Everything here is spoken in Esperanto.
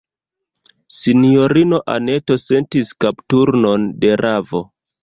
Sinjorino Anneto sentis kapturnon de ravo.